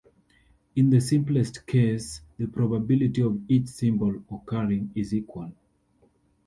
In the simplest case, the probability of each symbol occurring is equal.